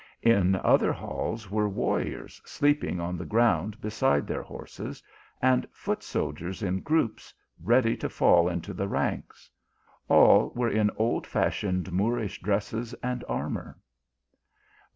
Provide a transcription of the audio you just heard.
In other halls, were warriors sleeping on the ground beside their horses, and foot soldiers in groups, ready to fall into the ranks. All were in old fashioned Moorish dress.es and armour.